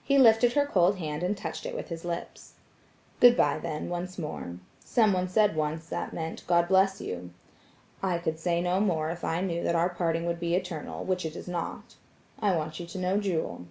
He lifted her cold hand and touched it with his lips. "Good bye, then, once more; someone said once that meant 'God bless you'; I could say no more if I knew that our parting would be eternal which it is not. I want you to know Jewel."